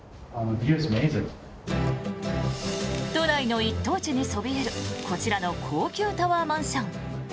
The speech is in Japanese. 都内の一等地にそびえるこちらの高級タワーマンション。